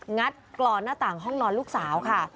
งัดกรอนหน้าต่างห้องนอนลูกสาวค่ะ